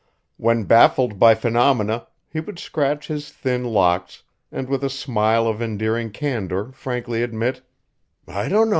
When baffled by phenomena he would scratch his thin locks and with a smile of endearing candor frankly admit, "I dunno."